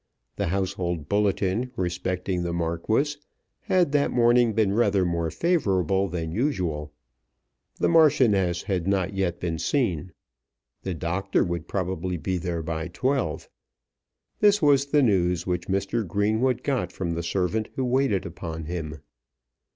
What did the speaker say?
The household bulletin respecting the Marquis had that morning been rather more favourable than usual. The Marchioness had not yet been seen. The doctor would probably be there by twelve. This was the news which Mr. Greenwood got from the servant who waited upon him.